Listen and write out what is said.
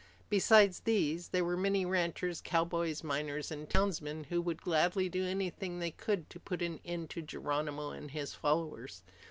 Besides these, there were many ranchers, cowboys, miners, and townsmen who would gladly do anything they could to put an end to Geronimo and his followers.